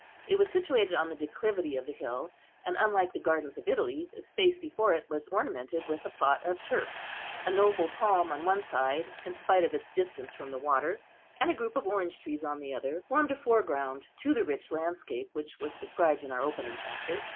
It was situated on the declivity of the hill, and, unlike the gardens of Italy, the space before it was ornamented with a plot of turf. A noble palm on one side, in spite of its distance from the water, and a group of orange trees on the other, formed a foreground to the rich landscape which was described in our opening chapter.